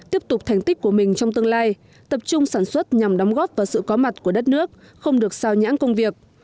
tiếp tục thành tích của mình trong tương lai tập trung sản xuất nhằm đóng góp vào sự có mặt của đất nước không được sao nhãn công việc